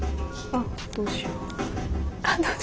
あっどうしよう。